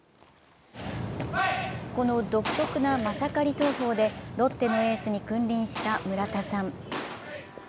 この独特なマサカリ投法でロッテのエースに君臨した村田さん。